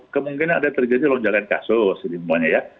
kemungkinan ada terjadi lonjakan kasus ini semuanya ya